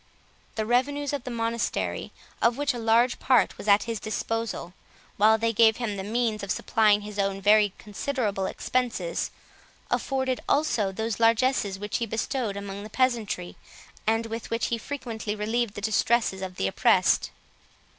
The revenues of the monastery, of which a large part was at his disposal, while they gave him the means of supplying his own very considerable expenses, afforded also those largesses which he bestowed among the peasantry, and with which he frequently relieved the distresses of the oppressed.